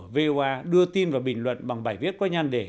giáo viên tiếng việt của voa đưa tin và bình luận bằng bài viết qua nhan đề